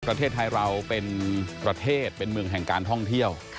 ประเทศไทยเราเป็นประเทศเป็นเมืองแห่งการท่องเที่ยว